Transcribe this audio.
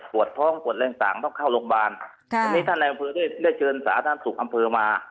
ปวดท้องปวดแรงต่างต้องเข้าโรงพยาบาลวันนี้ท่านในอำเภอได้ได้เชิญสาธารณสุขอำเภอมา